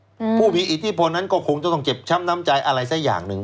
อืมผู้มีอิทธิพลนั้นก็คงจะต้องเจ็บช้ำน้ำใจอะไรสักอย่างหนึ่ง